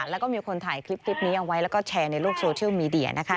แล้วก็มีคนถ่ายคลิปนี้เอาไว้แล้วก็แชร์ในโลกโซเชียลมีเดียนะคะ